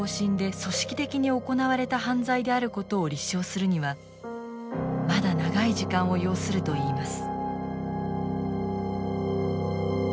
組織的に行われた犯罪であることを立証するにはまだ長い時間を要するといいます。